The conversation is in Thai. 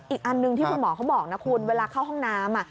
อีกอันหนึ่งที่คุณหมอเขาบอกนะคุณเวลาเข้าห้องน้ำ